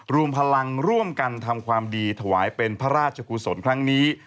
รวมพลังร่วมกันทำความดีถวายเป็นพระราชกุศลครั้งนี้